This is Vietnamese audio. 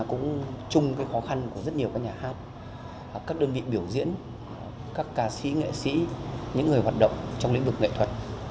cũng chung khó khăn của rất nhiều các nhà hát các đơn vị biểu diễn các ca sĩ nghệ sĩ những người hoạt động trong lĩnh vực nghệ thuật